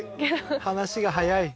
話が早い